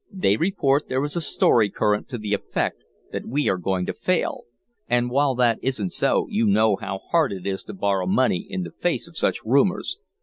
They report there is a story current to the effect that we are going to fail, and while that isn't so, you know how hard it is to borrow money in the face of such rumors.